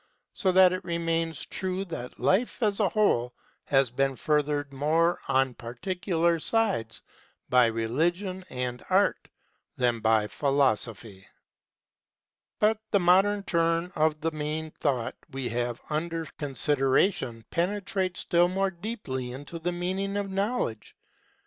So that it remains true that life as a whole has been furthered more on particular sides by Religion and Art than by Philosophy. But the modern turn of the main thought we have under consideration penetrates still more deeply into the meaning of Knowledge.